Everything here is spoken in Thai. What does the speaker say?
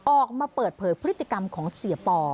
ออกมาเปิดเผยพฤติกรรมของเสียปอ